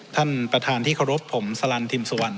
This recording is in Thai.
ท่านประธานที่เคารพผมสลันทิมสุวรรณ